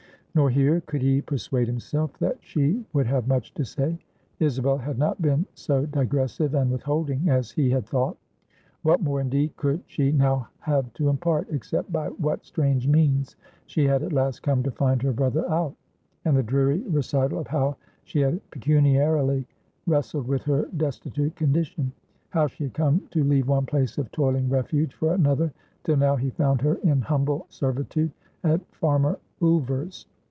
Nor here, could he persuade himself, that she would have much to say. Isabel had not been so digressive and withholding as he had thought. What more, indeed, could she now have to impart, except by what strange means she had at last come to find her brother out; and the dreary recital of how she had pecuniarily wrestled with her destitute condition; how she had come to leave one place of toiling refuge for another, till now he found her in humble servitude at farmer Ulver's?